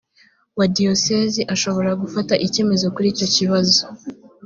wa diyosezi ashobora gufata icyemezo kuri icyo kibazo